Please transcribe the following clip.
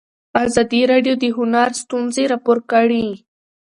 ازادي راډیو د هنر ستونزې راپور کړي.